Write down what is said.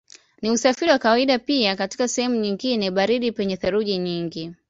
Ni usafiri wa kawaida pia katika sehemu nyingine baridi penye theluji nyingi.